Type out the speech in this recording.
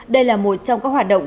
đây là một trong các hoạt động